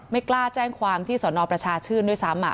ไม่กล้าแจ้งความที่สนประชาชื่นด้วยซ้ำ